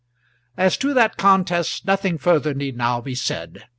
As to that contest nothing further need now be said.